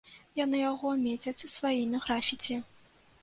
Яны яго мецяць сваімі графіці.